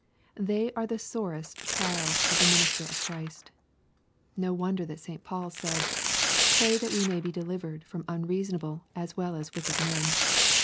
They are the sorest trials of the ministers of Christ. No wonder that St. Paul said, " Pray that we may be delivered from unreasonable as well as wicked men."